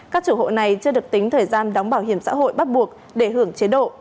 các chủ hộ này chưa được tính thời gian đóng bảo hiểm xã hội bắt buộc để hưởng chế độ